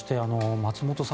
松本さん